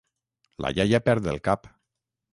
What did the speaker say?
La iaia perd el cap.